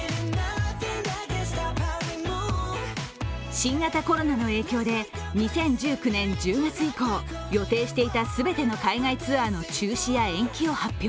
新型コロナの影響で２０１９年１０月以降予定していた全ての海外ツアーの中止や延期を発表。